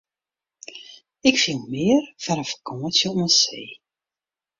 Ik fiel mear foar in fakânsje oan see.